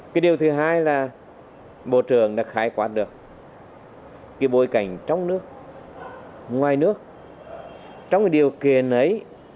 cái điều thứ hai là bộ trưởng đã khái quát được cái bối cảnh trong nước ngoài nước trong cái điều kiện ấy